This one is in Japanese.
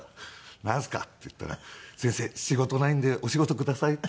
「なんですか？」って言ったら「先生仕事ないんでお仕事ください」とかって言って。